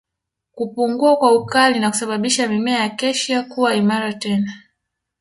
Kupungua kwa ukali na kusababisha mimea ya Acacia kuwa imara tena